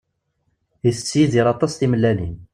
Itett Yidir aṭas timellalin.